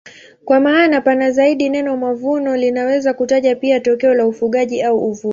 Kwa maana pana zaidi neno mavuno linaweza kutaja pia tokeo la ufugaji au uvuvi.